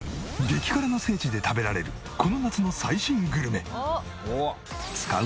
激辛の聖地で食べられるこの夏の最新グルメ。